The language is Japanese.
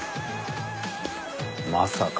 まさか。